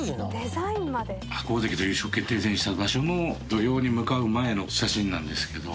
白鵬関と優勝決定戦した場所の土俵に向かう前の写真なんですけど。